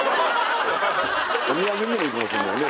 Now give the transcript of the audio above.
お土産にもいいかもしれないね